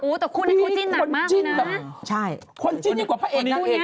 อืมอืมอืมอืมอืมอืมอืมอืม